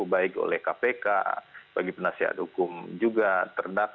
baik oleh kpk bagi penasihat hukum juga